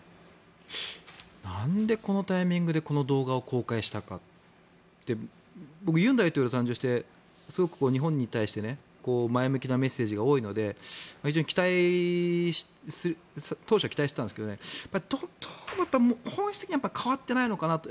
なんで、このタイミングでこの動画を公開したかって僕、尹大統領が誕生してすごく日本に対して前向きなメッセージが多いので非常に、当初は期待していたんですけどねどうも本質的には変わっていないのかなと。